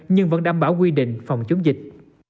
nhưng vẫn đảm bảo quy định phòng chống dịch